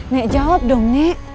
nek jawab dong nek